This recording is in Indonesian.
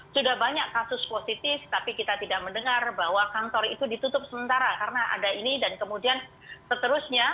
sudah banyak kasus positif tapi kita tidak mendengar bahwa kantor itu ditutup sementara karena ada ini dan kemudian seterusnya